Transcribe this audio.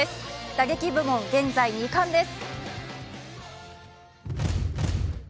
打撃部門、現在２冠です。